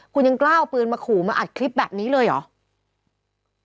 คุณยังกล้าเอาปืนมาขู่มาอัดคลิปแบบนี้เลยเหรอ